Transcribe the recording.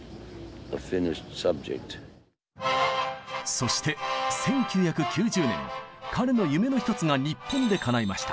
そして１９９０年彼の夢の一つが日本でかないました。